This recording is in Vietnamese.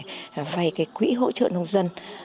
và vay cái quỹ hỗ trợ nông dân